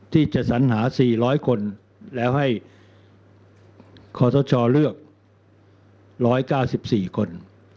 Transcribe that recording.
ที่จะสัญหา๔๐๐คนแล้วให้คศเลือก๑๙๔คน